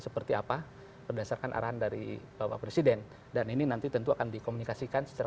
seperti apa berdasarkan arahan dari bapak presiden dan ini nanti tentu akan dikomunikasikan secara